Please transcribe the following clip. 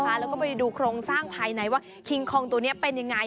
แล้วก็ไปดูโครงสร้างภายในว่าคิงคองตัวนี้เป็นยังไง